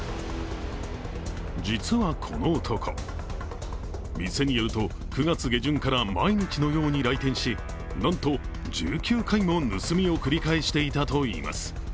実はこの男、店によると９月下旬から毎日のように来店しなんと、１９回も盗みを繰り返していたといいます。